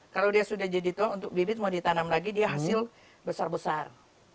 kalau dia sudah jadi tuang untuk bibit mau ditanam lagi dia hasil besar besar